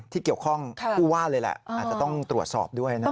ที่เกี่ยวข้องผู้ว่าเลยแหละอาจจะต้องตรวจสอบด้วยนะ